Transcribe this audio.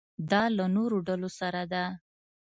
دا له نورو ډلو سره ده.